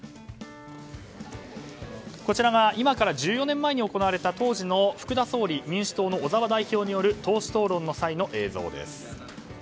こちらが今から１４年前に行われた当時の福田総理民主党の小沢代表による党首討論の際の映像です。